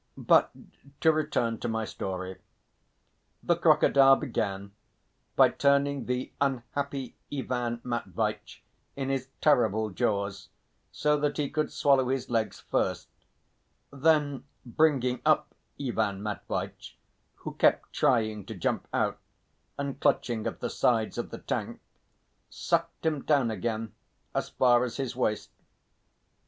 But to return to my story. The crocodile began by turning the unhappy Ivan Matveitch in his terrible jaws so that he could swallow his legs first; then bringing up Ivan Matveitch, who kept trying to jump out and clutching at the sides of the tank, sucked him down again as far as his waist.